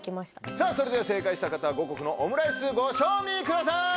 さぁそれでは正解した方は五穀のオムライスご賞味ください！